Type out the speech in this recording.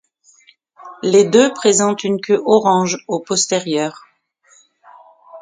Les deux présentent une queue orange aux postérieures.